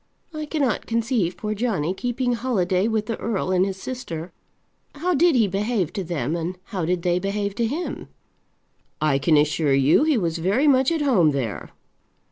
I cannot conceive poor Johnny keeping holiday with the earl and his sister. How did he behave to them, and how did they behave to him?" "I can assure you he was very much at home there."